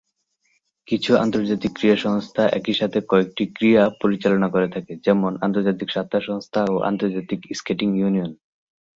কিছু আন্তর্জাতিক ক্রীড়া সংস্থা একই সাথে কয়েকটি ক্রীড়া পরিচালনা করে থাকে, যেমনঃ আন্তর্জাতিক সাঁতার সংস্থা ও আন্তর্জাতিক স্কেটিং ইউনিয়ন।